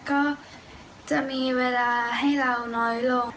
ก็จะมีเวลาให้เราน้อยลง